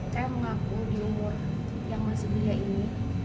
saya mengaku di umur yang masih belia ini